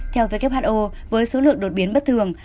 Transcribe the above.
theo who với số lượng đột biến bất thường